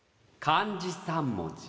漢字３文字？